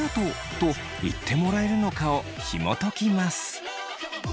と言ってもらえるのかをひもときます。